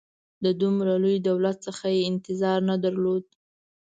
د دومره لوی دولت څخه یې انتظار نه درلود.